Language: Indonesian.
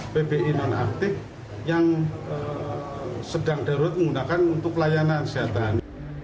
pbi nonaktif yang sedang darurat menggunakan untuk layanan kesehatan